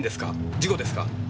事故ですか？